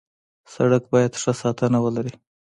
سړک باید ښه ساتنه ولري.